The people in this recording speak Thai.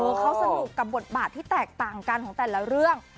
เขาสนุกกับบทบาทที่แตกต่างกันของแต่ละเรื่อง